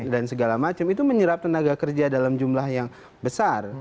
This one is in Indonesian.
dan segala macam itu menyerap tenaga kerja dalam jumlah yang besar